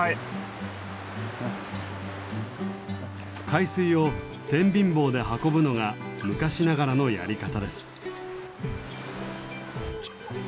海水を天秤棒で運ぶのが昔ながらのやり方です。